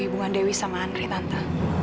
hubungan dewi sama andri tanta